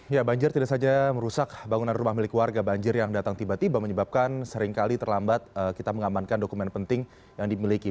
ya banjir tidak saja merusak bangunan rumah milik warga banjir yang datang tiba tiba menyebabkan seringkali terlambat kita mengamankan dokumen penting yang dimiliki